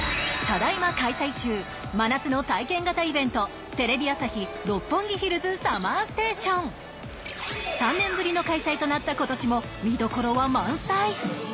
ただいま開催中真夏の体験型イベント「テレビ朝日・六本木ヒルズＳＵＭＭＥＲＳＴＡＴＩＯＮ」３年ぶりの開催となった今年も見どころは満載。